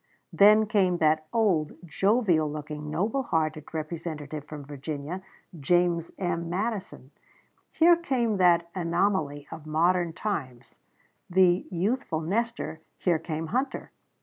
Then came that old jovial looking, noble hearted representative from Virginia, James M. Mason. Here came that anomaly of modern times, the youthful Nestor, here came Hunter....